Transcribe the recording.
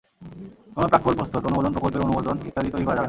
কোনো প্রাক্কলন প্রস্তুত, অনুমোদন, প্রকল্পের অনুমোদন ইত্যাদি তৈরি করা যাবে না।